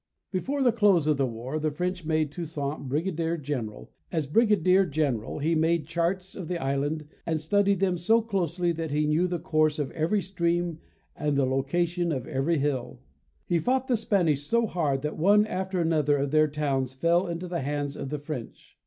Before the close of the war, the French made Toussaint brigadier general. As brigadier gen eral he made charts of the island and studied them so closely that he knew the course of every stream and the location of every hill. He fought the Spanish so hard that one after another of their towns fell into the hands of the French.